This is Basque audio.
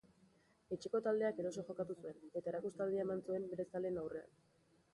Etxeko taldeak eroso jokatu zuen, eta erakustaldia eman zuen bere zaleen aurrean.